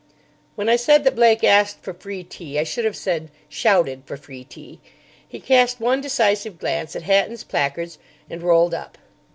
When I said that Blake asked for free tea, I should have said, shouted for free tea. He cast one decisive glance at Hatton's placards, and rolled up.